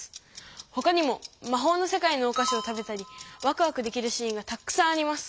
ほかにもまほうのせかいのおかしを食べたりワクワクできるシーンがたっくさんあります。